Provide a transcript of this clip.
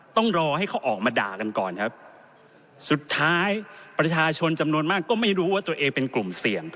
ต้องรอให้เขาออกมาด่ากันก่อนครับสุดท้ายประชาชนจำนวนมากก็ไม่รู้ว่าตัวเองเป็นกลุ่มเสี่ยง